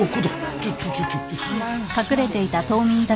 ちょちょちょちょっと。